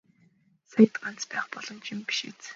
Саяд ганц байж болох юм биз.